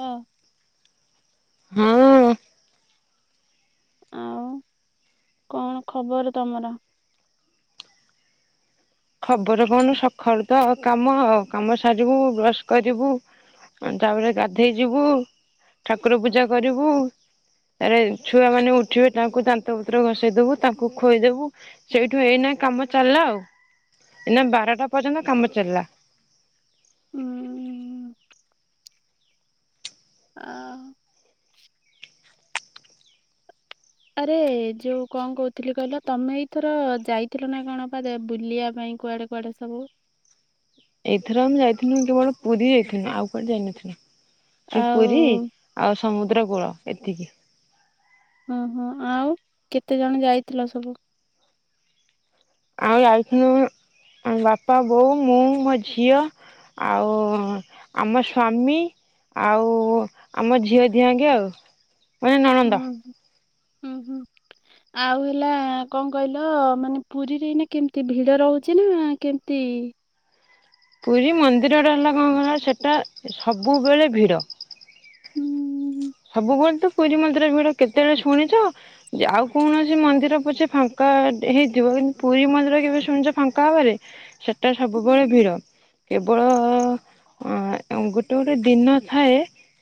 ହଁ। ହଁ। ଆଉ କଣ ଖବର ତମର? ଖବର କଣ ସଖାଳୁ ତ କାମ ଆଉ କାମ ସାରିବୁ, ବ୍ରଶ କରିବୁ ତାପରେ ଗାଧେଇ ଯିବୁ, ଠାକୁର ପୂଜା କରିବୁ। ତାରେ ଛୁଆ ମାନେ ଉଠିବେ ତାଙ୍କୁ ଦାନ୍ତ ପତ୍ର ଘଷେଇଦବୁ, ତାଙ୍କୁ ଖୁଏଇଦବୁ। ସେଇଠୁ ଏଇନା କାମ ଚାଲିଲା ଆଉ। ଏଇନା ବାରଟା ପର୍ଯ୍ୟନ୍ତ କାମ ଚାଲିଲା। ହୁଁ। ଆଉ। ଆରେ ଯୋଉ କଣ କହୁଥିଲି କହିଲ ତମେ ଏଇଥର ଯାଇଥିଲ ନା କଣ ବା ବୁଲିବା ପାଇଁ କୁଆଡେ କୁଆଡ଼େ ସବୁ। ଏଇଥର ଆମେ ଯାଇଥିଲୁ କେବଳ ପୁରୀ ଯାଇଥିଲୁ ଆଉ କୁଆଡେ ଯାଇନଥିଲୁ। ସେ ଆଉ ପୁରୀ ଆଉ ସମୁଦ୍ର କୂଳ ଏତିକି ଓହୋ ଆଉ କେତେ ଜଣ ଯାଇଥିଲ ସବୁ? ଆମେ ଯାଇଥିଲୁ ଆମ ବାପା, ବୋଉ, ମୁଁ, ମୋ ଝିଅ। ଆଉ ଆମ ସ୍ୱାମୀ। ଆଉ ଆମ ଝିଅ ଦିହାଙ୍କେ ଆଉ। ମାନେ ନଣନ୍ଦ ହୁଁ ହୁଁ ହୁଁ। ଆଉ ହେଲା କଣ କହିଲ ମାନେ ପୁରୀରେ ଏଇନା କେମିତି ଭିଡ ରହୁଛି ନା କେମିତି? ପୁରୀ ମନ୍ଦିରଟା ହେଲା କଣ କହିଲ ସେଟା ସବୁବେଳେ ଭିଡ଼। ହୁଁ। ସବୁବେଳେ ତ ପୁରୀ ମନ୍ଦିର ଭିଡ କେତେବେଳେ ଶୁଣିଛ ଆଉ କୌଣସି ମନ୍ଦିର ପଛେ ଫାଙ୍କା ହେଇଥିବ କିନ୍ତୁ ପୁରୀ ମନ୍ଦିର କେବେ ଶୁଣିଛ ଫାଙ୍କା ହେବାରେ। ତାହା ସବୁବେଳେ ଭିଡ଼। କେବଳ ଗୋଟେ ଗୋଟେ ଦିନ ଥାଏ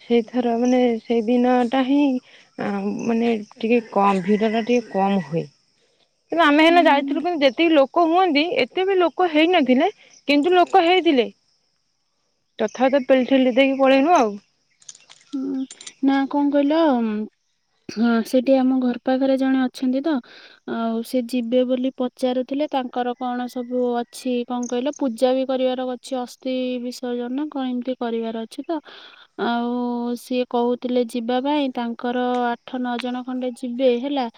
ସେଇଥର ମାନେ ସେଇ ଦିନଟା ହିଁ ମାନେ ଟିକେ କମ୍ ଭିଡ଼ଟା ଟିକେ କମ୍ ହୁଏ। କିନ୍ତୁ ଆମେ ହେଲେ ହୁଁ ଯାଇଥିଲୁ କିନ୍ତୁ ଯେତିକି ଲୋକ ହୁଅନ୍ତି ଏତେ ବି ଲୋକ ହେଇନଥିଲେ। କିନ୍ତୁ ଲୋକ ହେଇଥିଲେ ତଥାପି ତ ପେଲି ଠେଲି ଦେଇକି ପଳେଇନୁ ଆଉ। ହୁଁ ନା କଣ କହିଲ ହଁ ସେଠି ଆମ ଘର ପାଖରେ ଜଣେ ଅଛନ୍ତି ତ। ଆଉ ସେ ଯିବେ ବୋଲି ପଚାରୁଥିଲେ ତାଙ୍କର କଣ ସବୁ ଅଛି କଣ କହିଲ ପୂଜା ବି କରିବାର ଅଛି। ଅସ୍ଥି ବିସର୍ଜନ କଣ ଏମିତି କରିବାର ଅଛି ତ। ଆଉ। ଆଉ ସିଏ କହୁଥିଲେ ଯିବା ପାଇଁ ତାଙ୍କର ଆଠ ନଅ ଜଣ ଖଣ୍ଡେ ଯିବେ ହେଲା।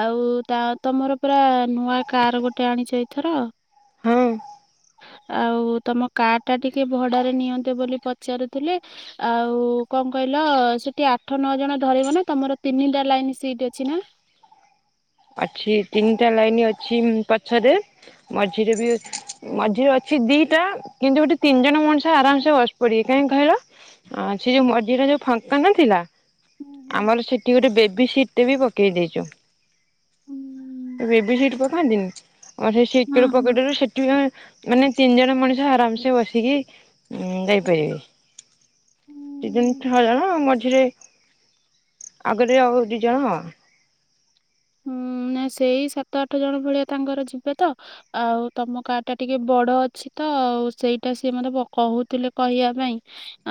ଆଉ ତା ତମର ପରା ନୂଆ କାର ଗୋଟେ ଆଣିଛ ଏଇଥର। ହଁ ହ ଆଉ ତମ କାର୍ ଟା ଟିକେ ଭଡ଼ାରେ ନିଅନ୍ତେ ବୋଲି ପଚାରୁଥିଲେ ଆଉ କଣ କହିଲ ସେଠି ଆଠ ନଅ ଜଣ ଧରିବ ନା ତମର ତିନିଟା ଲାଇନ୍ ସିଟ୍ ଅଛି ନା? ଅଛି ତିନିଟା ଲାଇନି ଅଛି ପଛରେ ମଝିରେ ବି ଅ ମଝିରେ ଅଛି ଦିଟା କିନ୍ତୁ ହେଟି ତିନି ଜଣ ମଣିଷ ଆରାମସେ ବସି ପଡିବେ କାହିଁକି କହିଲ? ଆଁ ସେ ଯୋଉ ମଝିରେ ଯୋଉ ଫାଙ୍କା ନଥିଲା ହଁ ଆମର ସେଠି ଗୋଟେ ବେବି ସିଟ୍ ଟେ ବି ପକେଇ ଦେଇଛୁ। ବେବୀ ସିଟ୍ ପକାନ୍ତିନି ଆମ ସେଇ ସିଟ୍ ତଳେ ହଁ। ପକେଇଦେଲୁ ସି [unintelligible] ମାନେ ତିନି ଜଣ ମଣିଷ ଆରାମ୍ ସେ ବସିକି ଯାଇପାରିବେ। ଦି ଜଣ ଛଅ ଜଣ ମଝିରେ ଆଗରେ ଆଉ ଦି ଜଣ। ହୁଁ ନା ସେଇ ସାତ ଆଠ ଜଣ ଭଳିଆ ତାଙ୍କର ଯିବେ ତ ଆଉ ତମ କାର୍ ଟା ଟିକେ ବଡ଼ ଅଛି ତ ସେଇଟା ସିଏ ମତେ କହୁଥିଲେ କହିବା ପାଇଁ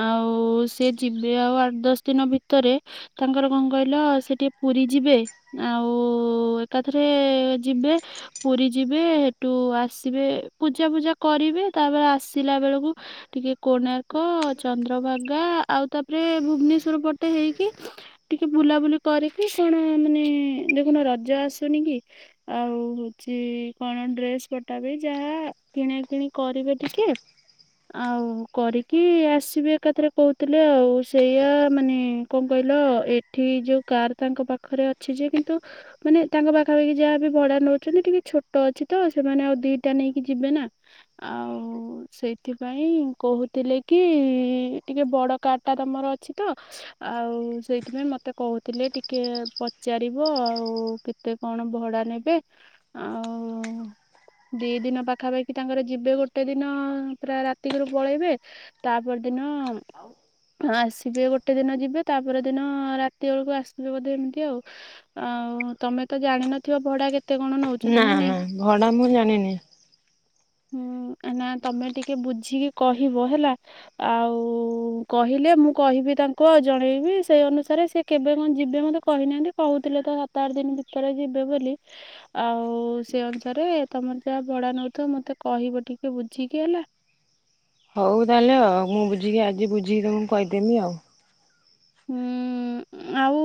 ଆଉ ସେ ଯିବେ ଆଉ ଆଠ ଦଶ ଦିନ ଭିତରେ ତାଙ୍କର କଣ କହିଲ ସେ ଟିକେ ପୁରୀ ଯିବେ ଆଉ ଉ ଏକାଥରେ ଯିବେ ପୁରୀ ଯିବେ ସେଠୁ ଆସିବେ ପୂଜା ଫୁଜା କରିବେ ତାପରେ ଆସିଲା ବେଳକୁ ଟିକେ କୋଣାର୍କ ଚନ୍ଦ୍ରଭାଗା ଆଉ ତାପରେ ଭୁବନେଶ୍ଵର ପଟେ ହେଇକି ଟିକେ ବୁଲାବୁଲି କରିକି କଣ ମାନେ ଦେଖୁନ ରଜ ଆସୁନି କି ଆଉ ହଉଛି କଣ ଡ୍ରେଶ୍ ପଟା ବି ଯାହା କିଣା କିିଣି କରିବେ ଟିକେ ଆଉ କରିକି ଆସିବେ ଏକାଥରେ କହୁଥିଲେ ଆଉ ସେଇଆ ମାନେ କଣ କହିଲ ଏଠି ଯୋଉ କାର୍ ତାଙ୍କ ପାଖରେ ଅଛି ଯେ କିନ୍ତୁ ମାନେ ତାଙ୍କ ପାଖାପାଖି ଯାହା ବି ଭଡ଼ା ନେଉଛନ୍ତି ଟିକେ ଛୋଟ ଅଛି ତ ସେମାନେ ଆଉ ଦିଟା ନେଇକି ଯିବେ ନା ଆଉ ସେଇଥିପାଇଁ କହୁଥିଲି କି ଟିକେ ବଡ଼ କାର୍ ଟା ତମର ଅଛି ତ ଆଉ ସେଇଥିପାଇଁ ମତେ କହୁଥିଲେ ଟିକେ ପଚାରିଵ୍ ବ ଆଉ କେତେ କଣ ଭଡ଼ା ନେବେ ଆଉ ଦି ଦିନ ପାଖାପାଖି ତାଙ୍କର ଯିବେ ଗୋଟେ ଦିନ ପୁରା ରାତିକରୁ ପଳେଇବେ ତା ପରଦିନ ହଁ ଆସିବେ ଗୋଟେ ଦିନ ଯିବେ ତାପର ଦିନ ରାତି ବେଳକୁ ଆସିବେ ବୋଧେ ଏମିତି ଆଉ। ଆଉ ତମେ ତ ଜାଣିନଥିବ ଭଡ଼ା କେତେ? କଣ ନଉଛନ୍ତି ନା ନାଇଁ? ନା ଭଡ଼ା ମୁଁ ଜାଣିନି। ହୁଁ ନା ତମେ ଟିକେ ବୁଝିକି କହିବ ହେଲା? ଆଉ କହିଲେ ମୁଁ କହିବି ତାଙ୍କୁ ଆଉ ଜଣେଇବି ସେଇ ଅନୁସାରେ ସେ କେବେ କଣ ଯିବେ ମତେ କହିନାହାନ୍ତି କହୁଥିଲେ ତ ସାତ ଆଠ ଦିନ ଭିତରେ ଯିବେ ବୋଲି। ଆଉ ସେ ଅନୁସାରେ ତମର ଯାହା ଭଡ଼ା ନଉଥିବ ମତେ କହିବ ଟିକେ ବୁଝିକି ହେଲା? ହଉ ତାହେଲେ ଆଉ ମୁଁ ବୁଝିକି ଆଜି ବୁଝିକି ତମୁକୁ କହିଦେମି ଆଉ। ହୁଁ ଆଉ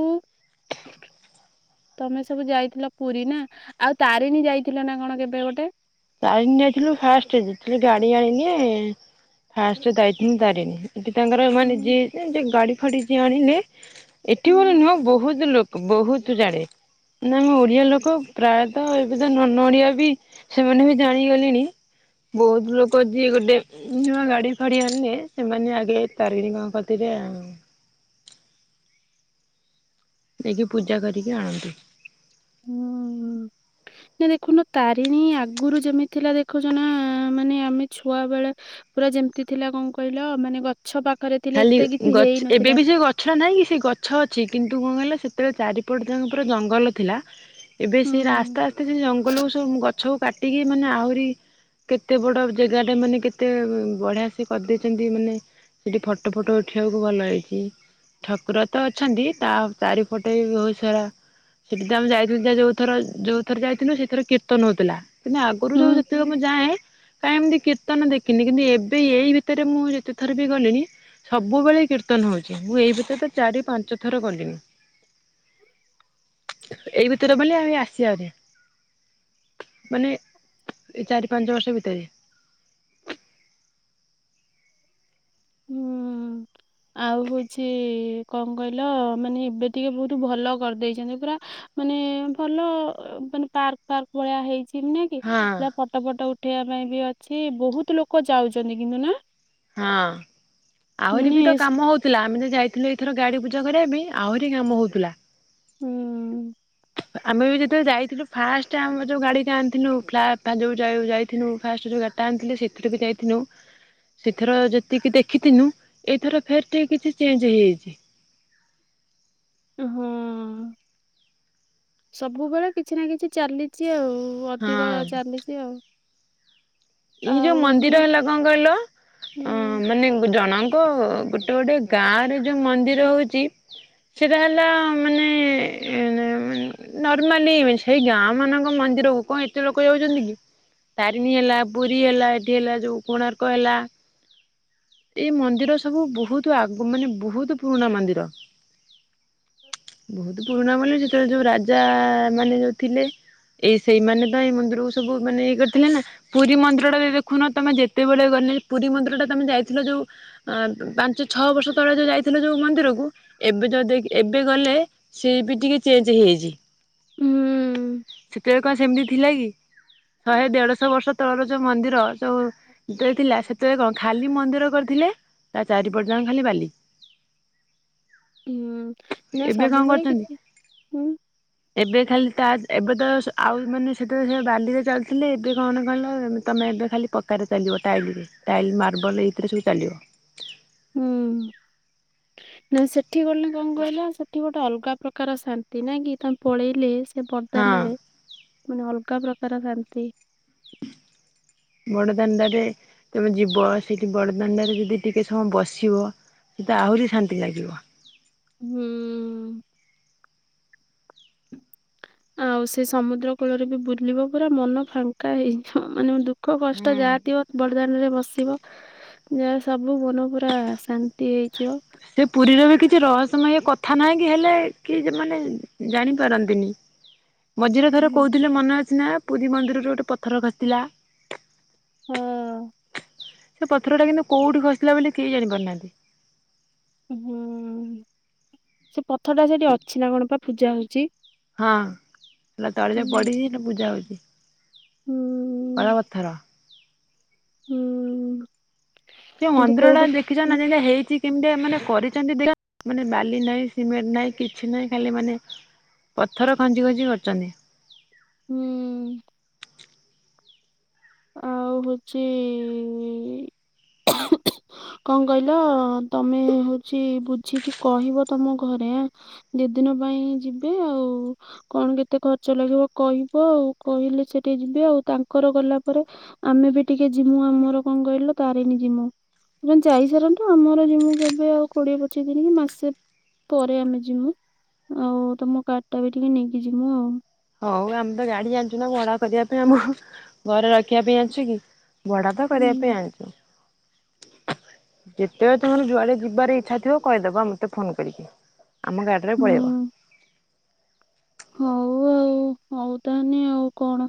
ତମେ ସବୁ ଯାଇଥିଲ ପୁରୀ ନା ଆଉ ତାରିଣୀ ଯାଇଥିଲ ନା କଣ କେବେ ଗୋଟେ? ତାରିଣୀ ଯାଇଥିଲୁ ଫାଷ୍ଟ ଯେତେବେଳେ ଗାଡ଼ି ଆଣିଲେ ଫାଷ୍ଟ ଯାଇଥିଲୁ ତାରିଣୀ। ଏଠି ତାଙ୍କର ମାନେ ହୁଁ ଯିଏ ଗାଡ଼ି ଫାଡ଼ି ଯିଏ ଆଣିଲେ ଏଠି ହୁଁ ବୋଲି ନୁହଁ ବହୁତ ଲୋକ ବହୁତ ଜାଡ଼େ ନା ଆମେ ଓଡ଼ିଆ ଲୋକ ପ୍ରାୟତଃ ଏବେ ତ ନନ୍ ଓଡ଼ିଆ ବି ସେମାନେ ବି ଜାଣିଗଲେଣି ବହୁତ ଲୋକ ଯିଏ ଗୋଟେ ନୂଆ ଗାଡ଼ି ଫାଡ଼ି ଆଣିଲେ ସେମାନେ ଆଗେ ତାରିଣୀ ଙ୍କ କତିରେ ଆଉ ନେଇକି ପୂଜା କରିକି ଆଣନ୍ତି। ହୁଁ ହୁଁ। ହେ ଦେଖୁନ ତାରିଣୀ ଆଗରୁ ଯେମିତି ଥିଲା ଦେଖୁଛ ନା ମାନେ ଆମେ ଛୁଆ ବେଳେ ପୁରା ଯେମିତି ଥିଲା କଣ କହିଲ ମାନେ ଗଛ ପାଖରେ ଥିଲେ ଖାଲି ଏତେ କିଛି ହେଇନଥିଲା। ଗଛ ନାଇଁ କି ସେ ଗଛ ଅଛି କିନ୍ତୁ କଣ କହିଲ ସେତେବେଳେ ଚାରିପଟ ଯାକ ପୁରା ଜଙ୍ଗଲ ଥିଲା। ଏବେ ହୁଁ ସେ ରେ ଆସ୍ତେ ଆସ୍ତେ ସେ ଜଙ୍ଗଲକୁ ସବୁ ଗଛକୁ କାଟିକି ମାନେ ଆହୁରି କେତେ ବଡ ଜେଗା ଟା ମାନେ କେତେ ବଢିଆ ସେ କରିଦେଇଚନ୍ତି ମାନେ ସେଠି ଫଟୋ ଫୁଟ ଉଠେଇଆକୁ ଭଲ ହେଇଚି। ଠାକୁର ତ ଅଛନ୍ତି ତା ଚାରିପଟେ ବି ବହୁ ସାରା ସେଠି ତ ଆମ ଯାଇଥିଲୁ ଯୋଉଥର ଯୋଉଥର ଯାଇଥିଲୁ ସେଇଥିର କୀର୍ତନ ହଉଥିଲା। କିନ୍ତୁ ଆଗରୁ ହୁଁ ଯୋଉ ଯେତେବେଳେ ମୁଁ ଯାଏ। କାଇଁ ଏମିତି କୀର୍ତ୍ତନ ଦେଖିନି କିନ୍ତୁ ଏବେ ଏଇ ଭିତରେ ମୁଁ ଯେତେ ଥର ବି ଗଲିଣି। ସବୁବେଳେ କୀର୍ତ୍ତନ ହଉଚି ମୁଁ ଏଇ ଭିତରେ ତ ଚାରି ପାଞ୍ଚ ଥର ଗଲିଣି। ଏଇ ଭିତରେ ବୋଲେ ଏଇ ଆସିଆରେ। ମାନେ ଏ ଚାରି ପାଞ୍ଚ ବର୍ଷ ଭିତରେ। ହୁଁ ଉଁ। ଆଉ ହଉଚି କଣ କହିଲ ମାନେ ଏବେ ଟିକେ ବହୁତ୍ ଭଲ କରିଦେଇଚନ୍ତି ପୁରା ମାନେ ଭଲ ମାନେ ପାର୍କ ଫାର୍କ ଭଳିଆ ହେଇଚି। ସିନେରି ହଁ ପୁରା ଫଟୋ ଫୁଟ ଉଠେଇବା ପାଇଁ ବି ଅଛି ବହୁତ ଲୋକ ଯାଉଚନ୍ତି କିନ୍ତୁ ନା? ହଁ। ଆହୁରି ମାନେ ବି ତ ସ୍- କାମ ହଉଥିଲା ଆମେ ଯୋଉ ଯାଇଥିଲି। ଏଥର ଗାଡ଼ି ପୂଜା କରିଆ ପାଇଁ ଆହୁରି କାମ ହଉଥିଲା। ହୁଁ। ଆମେ ବି ଯେତେବେଳେ ଯାଇଥିଲୁ ଫାଷ୍ଟ ଆମର ଯୋଉ ଗାଡି ଯାଆନ୍ତି ନି [inaudible] ତାର ଯୋଉ ଯାଇଥିଲୁ ଫାଷ୍ଟ ଯୋଉ ରାତ୍ ଅଟ ଆଣିଥିଲୁ ସେଥିରେ ବି ଯାଇଥିଲୁ। ସେଥର ଯେତିକି ଦେଖିଥିନୁ ଏଇଥର ଫେର୍ ଟିକେ କିଛି ଚେଞ୍ଜ୍ ହେଇଯାଇଚି। ହଁ। ସବୁବେଳେ କିଛି ନା କିଛି ଚାଲିଛି ଆଉ। ଅଧିକ ହଁ ଚାଲିଚି ଆଉ। ଏଇ ଯୋଉ ଆଉ ମାନେ ମନ୍ଦିର ହେଲା କଁ କହିଲ? ହୁଁ ଅ ମାନେ ଜଣଙ୍କ ଗୋଟେ ଗୋଟେ ଗାଁ ରେ ଯୋଉ ମନ୍ଦିର ହଉଚି। ସେଇଟା ହେଲା ମାନେ ଏମାନ୍ ନର୍ମାଲି ସେଇ ଗାଁ ମାନଙ୍କ ମନ୍ଦିରକୁ କଣ ଏତେ ଲୋକ ଯାଉଚନ୍ତି କି ତାରିଣୀ ହେଲା ପୁରୀ ହେଲା ଏଠି ହେଲା ଯୋଉ କୋଣାର୍କ ହେଲା। ଏଇ ମନ୍ଦିର ସବୁ ବହୁତ ଆଗ ମାନେ ବହୁତ୍ ପୁରୁଣା ମନ୍ଦିର। ବହୁତ୍ ପୁରୁଣା ମାନେ ଯେତେବେଳେ ଯୋଉ ରାଜ୍ ରାଜା ମାନେ ଯୋଉଥିଲେ ଏଇ ସେଇମାନେ ତ ଏଇ ମନ୍ଦିରକୁ ସବୁ ମାନେ ଇଏ କରିଥିଲେ ନା। ପୁରୀ ମନ୍ଦିର ଟା ଦେଖୁନ ତମେ ଯେତେବେଳେ ଗଲେ ପୁରୀ ମନ୍ଦିର ଟା ତମେ ଯାଇଥିଲ ଯୋଉ ଅ ପାଞ୍ଚ ଛଅ ବର୍ଷ ତଳେ ଯୋଉ ଯାଇଥିଲ ଯୋଉ ମନ୍ଦିରକୁ ଏବେ ଯୋଉ ଦେଇକି ଏବେ ଗଲେ ସେ ବି ଟିକେ ଚେଞ୍ଜ୍ ହେଇଯାଇଚି। ହୁଁ। ସେତେବେଳେ କଣ ସେମିତି ଥିଲା କି ଶହେ ଦେଢଶହ ବର୍ଷ ତଳର ଯୋଉ ମନ୍ଦିର ସବୁ ଦେଇଥିଲା। ସେତେବେଳେ କଣ ଖାଲି ମନ୍ଦିର କରିଥିଲେ ତା ଚାରିପଟେ ଯାକ ଖାଲି ବାଲି। ହୁଁ ନା ଏବେ କଣ ସବୁବେଳେ କରୁଛନ୍ତି କିଛି କିଛି ହୁଁ ଏବେ ଖାଲି ତାଦ୍ ଏବେ ତ ସ ଆଉ ମାନେ ସେତେବେଳେ ସେ ବାଲିରେ ଚାଲୁଥିଲେ ଏବେ କଣ କହିଲ ତମେ ଏବେ ଖାଲି ପଥ୍ ଥରରେ ଚାଲିବ ଟାଇଲ୍ ରେ ଟାଇଲ୍, ମାର୍ବଲ ଏଇଥିରେ ସବୁ ଚାଲିବ। ହୁଁ ଉଁ। ନାଇଁ ସେଠି ଗଲେ କଣ କହିଲ? ସେଠି ଗୋଟେ ଅଲଗା ପ୍ରକାର ଶାନ୍ତି ନା କି ତମେ ପଳେଇଲେ ସେ ହଁ ବଡଦାଣ୍ଡରେ ମାନେ ଅଲଗା ପ୍ରକାର ଶାନ୍ତି। ବଡଦାଣ୍ଡ ରେ ତମେ ଯିବ। ସେଇଠି ବଡଦାଣ୍ଡରେ ଯଦି ଟିକେ ସମୟ ବସିବ ସେତ ଆହୁରି ଶାନ୍ତି ଲାଗିବ। ହୁଁ। ଆଉ ସେ ସମୁଦ୍ର କୂଳରେ ବି ବୁଲିବ ପୁରା ମନ ଫାଙ୍କା ହେଇଯିବ। ମାନେ ଦୁ ଦୁଃଖ କଷ୍ଟ ଯାହା ଥିବ ବଡ଼ଦାଣ୍ଡ ରେ ବସିବ। ଦେଖିବ ସବୁ ମନ ପୁରା ଶାନ୍ତି ହେଇଯିବ। ସେ ପୁରୀର ବି କିଛି ରହସ୍ୟମୟ କଥା ନାହିଁ କି ହେଲେ କି ସେମାନେ ଜାଣିପାରନ୍ତିନି। ମଝିରେ ଥରେ ହୁଁ। କହୁଥିଲେ ମନେ ଅଛି ନା। ପୁରୀ ମନ୍ଦିରରେ ଗୋଟେ ପଥର ଖସିଲା। ହୁଁ। ସେ ପଥର ଟା କିନ୍ତୁ କୋଉଠି ଖସିଲା ବୋଲି କେହି ଜାଣିପାରୁନାହାନ୍ତି। ହୁଁ। ସେ ପଥର ଟା ସେଠି ଅଛି ନା କଣ ପା ପୂଜା ହଉଚି? ହଁ, ହେଟା ତଳେ ପଡ଼ିଚି କିନ୍ତୁ ପୂଜା ହଉଚି ହୁଁ କଳାପଥର। ହୁଁ। ସେ ମନ୍ଦିର ଟା ଦେଖିଛ ନା ଯେନ୍ତିଆ ହେଇଛି କେମିତି ମାନେ କରିଛନ୍ତି ଦେ ମାନେ ବାଲି ନାହିଁ, ସିମେଣ୍ଟ ନାହିଁ, କିଛି ନାହିଁ ଖାଲି ମାନେ ପଥର ଖଞ୍ଜି ଖଞ୍ଜି କରିଛନ୍ତି। ହୁଁ। ଆଉ ହଉଚି କଣ କହିଲ ତମେ ହଉଚି ବୁଝିକି କହିବ ତମ ଘରେ ଦି ଦିନ ପାଇଁ ଯିବେ ଆଉ କଣ କେତେ ଖର୍ଚ୍ଚ ଲାଗିବ କହିବେ ଆଉ। କହିଲେ ସେ ଟିକେ ଯିବେ ଆଉ ତାଙ୍କର ଗଲା ପ ତା ପରେ ଆମେ ବି ଟିକେ ଜିମୁ। ଆମର କଣ କହିଲ ତାରିଣୀ ଜିମୁ ମୁ କହିଲି ଯାଇସାରନ୍ତୁ। ଆମର ଜିମୁ କେବେ କୋଡିଏ ପଚିସ୍ ଦିନ କି ମାସେ ପରେ ଆମେ ଯିମୁ। ଆଉ ତମ କାର୍ ଟା ବି ଟିକେ ନେଇକି ଯିମୁ ଆଉ। ହଉ ଆମେ ତ ଗାଡି ଜାଣିଛୁ ନା ଭଡା କରିବା ପାଇଁ। ଆମ ଘରେ ରଖିବା ପାଇଁ ଆଣିଛୁ କି? ଭଡ଼ା ତ କରିବା ହୁଁ ପାଇଁ ଆଣିଚୁ। ଯେତେବେଳେ ତମର ଯୁଆଡେ ଯିବାର ଇଛା ଥିବ କହିଦବା ମତେ ଫୋନ୍ କରିକି। ଆମ ଗାଡ଼ି ରେ ପଳେଇବ। ହୁଁ। ହଉ ଆଉ, ହଉ ତାହେନେ ଆଉ କଣ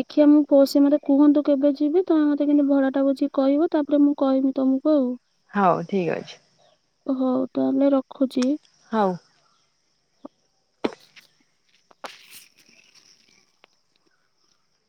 ଦେଖିଆ, ମୁଁ କ ସେ ମତେ କୁହନ୍ତୁ, କେବେ ଯିବି। ତମେ ମତେ କିନ୍ତୁ ଭଡା ଟା ବୁଝିକି କହିବ ତାପରେ ମୁଁ କହିବି ତମ ହଉ। ହଉ, ଠିକ୍ ଅଛି। ହଉ ତାହେଲେ, ରଖୁଚି। ହଉ।